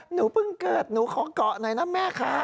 หนูเพิ่งเกิดหนูขอเกาะหน่อยนะแม่ค่ะ